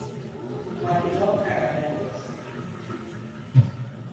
Mariló Carabelos.